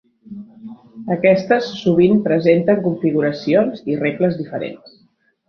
Aquestes sovint presenten configuracions i regles diferents.